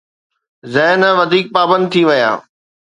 ذهن وڌيڪ پابند ٿي ويا.